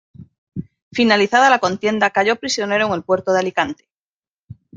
Finalizada la contienda cayó prisionero en el puerto de Alicante.